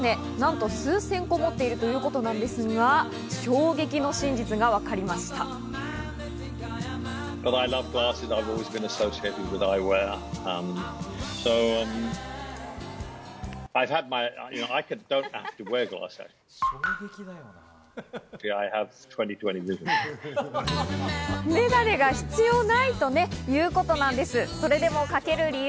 なんと数千個持っているということなんですが、衝撃の真実がわかＬｅｔ’ｓ。